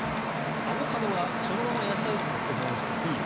アボカドはそのまま野菜室で保存していい。